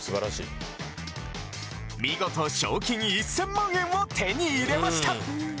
見事賞金１０００万円を手に入れました！